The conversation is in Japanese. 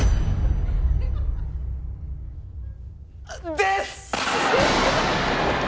です！